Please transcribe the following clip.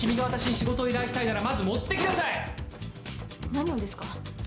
「何をですか？」